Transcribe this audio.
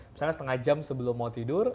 misalnya setengah jam sebelum mau tidur